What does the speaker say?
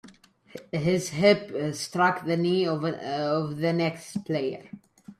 His hip struck the knee of the next player.